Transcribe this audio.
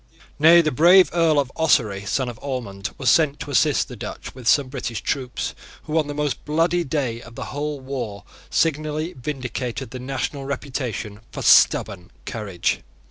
Nay, the brave Earl of Ossory, son of Ormond, was sent to assist the Dutch with some British troops, who, on the most bloody day of the whole war, signally vindicated the national reputation for stubborn courage.